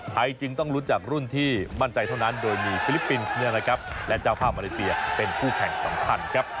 จึงต้องลุ้นจากรุ่นที่มั่นใจเท่านั้นโดยมีฟิลิปปินส์และเจ้าภาพมาเลเซียเป็นคู่แข่งสำคัญครับ